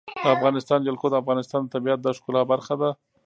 د افغانستان جلکو د افغانستان د طبیعت د ښکلا برخه ده.